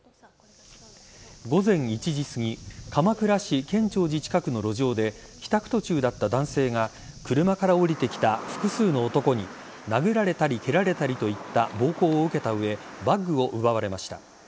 午前１時すぎ鎌倉市建長寺近くの路上で帰宅途中だった男性が車から降りてきた複数の男に殴られたり蹴られたりといった暴行を受けた上バッグを奪われました。